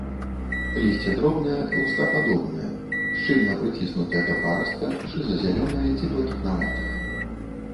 Лісце дробнае лускападобнае, шчыльна прыціснутае да парастка, шыза-зялёнае ці блакітнаватае.